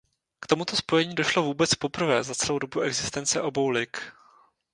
K tomuto spojení došlo vůbec poprvé za celou dobu existence obou lig.